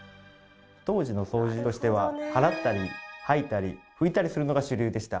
当時の掃除としては払ったり掃いたり拭いたりするのが主流でした。